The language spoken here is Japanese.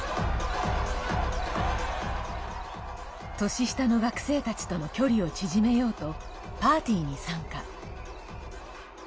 年下の学生たちとの距離を縮めようとパーティーに参加。